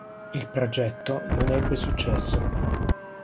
Il progetto non ebbe successo.